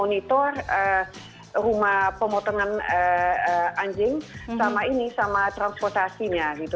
monitor rumah pemotongan anjing selama ini sama transportasinya gitu